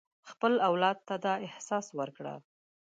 خپل اولاد ته دا احساس ورکړه.